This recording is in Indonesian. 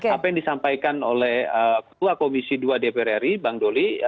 apa yang disampaikan oleh ketua komisi dua dpr ri bang doli